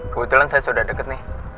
kebetulan saya sudah deket nih